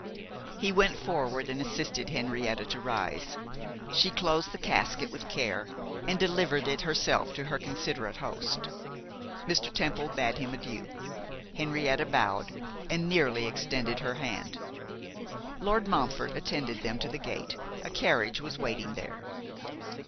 He went forward and assisted Henrietta to rise. She closed the casket with care, and delivered it herself to her considerate host. Mr. Temple bade him adieu; Henrietta bowed, and nearly extended her hand. Lord Montfort attended them to the gate; a carriage was waiting there.